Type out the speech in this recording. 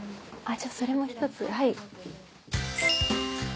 じゃあそれも１つ。